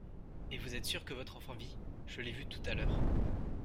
«Et vous êtes sûre que votre enfant vit ? Je l'ai vu tout à l'heure.